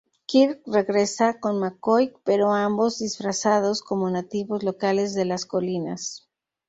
Kirk regresa con McCoy, pero ambos disfrazados como nativos locales de las colinas.